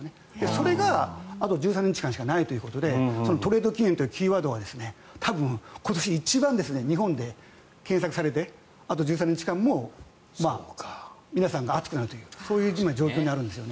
それがあと１３日間しかないということでトレード期限というキーワードが多分、今年一番日本で検索されてあと１３日間も皆さんが熱くなるとそういう状況にあるんですね。